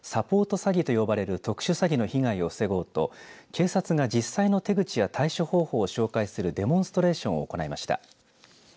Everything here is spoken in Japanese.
詐欺と呼ばれる特殊詐欺の被害を防ごうと警察が実際の手口や対処方法を紹介するデモンストレーションを行いました。